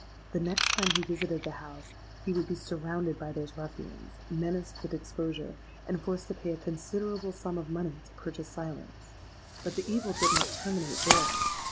The next time he visited the house, he would be surrounded by those ruffians, menaced with exposure, and forced to pay a considerable sum of money to purchase silence. But the evil did not terminate there.